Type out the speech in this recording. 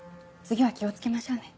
次は気を付けましょうね。